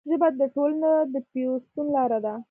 ژبه د ټولنې د پیوستون لاره ده